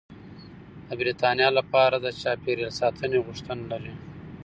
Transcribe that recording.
د بریتانیا اداره د چاپیریال ساتنې غوښتنه لري.